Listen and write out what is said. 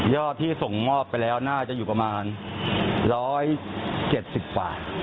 ที่ส่งมอบไปแล้วน่าจะอยู่ประมาณ๑๗๐บาท